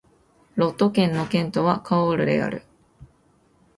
ロット県の県都はカオールである